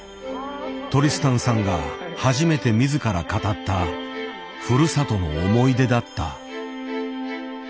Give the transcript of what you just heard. トリスタンさんが初めて自ら語ったふるさとの思い出だった。